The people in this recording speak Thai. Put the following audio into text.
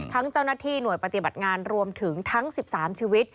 เจ้าหน้าที่หน่วยปฏิบัติงานรวมถึงทั้ง๑๓ชีวิต